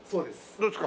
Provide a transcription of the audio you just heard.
どうですか？